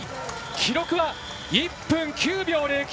記録は１分９秒０９！